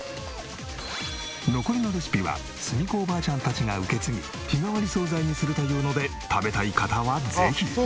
残りのレシピは澄子おばあちゃんたちが受け継ぎ日替わり惣菜にするというので食べたい方はぜひ。